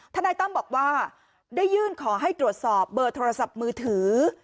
นายตั้มบอกว่าได้ยื่นขอให้ตรวจสอบเบอร์โทรศัพท์มือถือ